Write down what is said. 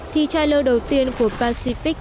thì trailer đầu tiên của pacific